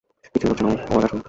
কিছুই হচ্ছে না ওম, ও আর আসবে না।